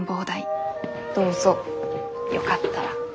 どうぞよかったら。